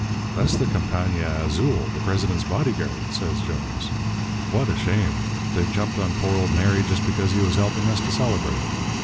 "'That's the Compañia Azul, the President's bodyguard,' says Jones. 'What a shame! They've jumped on poor old Mary just because he was helping us to celebrate.